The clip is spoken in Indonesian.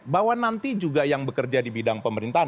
bahwa nanti juga yang bekerja di bidang pemerintahan